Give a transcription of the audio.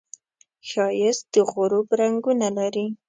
ښایست د غروب رنګونه لري